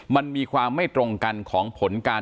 มันมีความไม่ตรงกันของผลการ